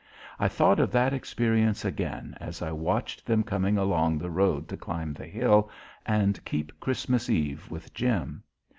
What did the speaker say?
I thought of that experience again as I watched them coming along the road to climb the hill and keep Christmas Eve with Jim.